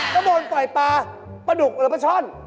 ก็โดนปล่อยปลาปลาดุกหรือปลาช่อน